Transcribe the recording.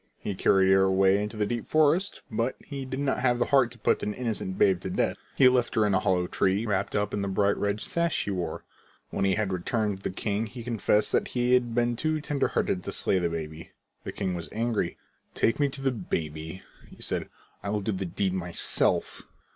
He carried her away into the deep forest, but he did not have the heart to put an innocent babe to death. He left her in a hollow tree, wrapped up in the bright red sash he wore. When he had returned to the king he confessed that he had been too tender hearted to slay the baby. The king was angry. "Take me to the baby," he said. "I'll do the deed myself."